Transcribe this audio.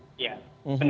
saya tidak yakin